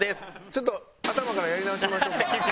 ちょっと頭からやり直しましょう。